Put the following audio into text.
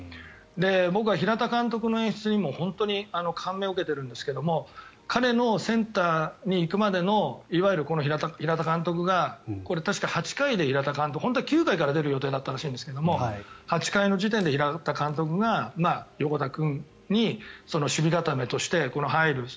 僕は平田監督の演出にも本当に感銘を受けているんですが彼のセンターに行くまでのいわゆるこの平田監督が本当は９回から出る予定だったらしいんですけど８回の時点で平田監督が横田君に守備固めとして入る。